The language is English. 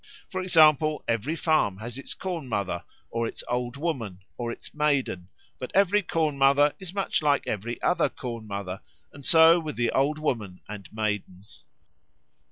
For example, every farm has its Corn mother, or its Old Woman, or its Maiden; but every Corn mother is much like every other Corn mother, and so with the Old Women and Maidens.